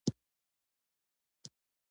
زړه مې لږ د خوښۍ لور ته میلان وکړ.